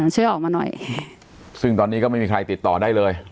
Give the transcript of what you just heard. ช่วยออกมาหน่อยซึ่งตอนนี้ก็ไม่มีใครติดต่อได้เลย